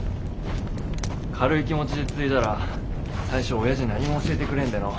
軽い気持ちで継いだら最初おやじ何も教えてくれんでの。